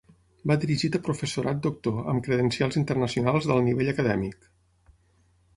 Va dirigit a professorat doctor, amb credencials internacionals d'alt nivell acadèmic.